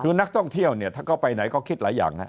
คือนักท่องเที่ยวเนี่ยถ้าเขาไปไหนก็คิดหลายอย่างนะ